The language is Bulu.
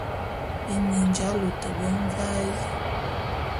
Ényin j'alôte be mvaé.